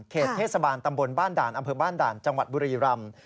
เทศบาลตำบลบ้านด่านอำเภอบ้านด่านจังหวัดบุรีรำ